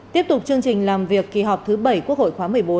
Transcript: tiếp tục chương trình làm việc kỳ họp thứ bảy quốc hội khóa một mươi bốn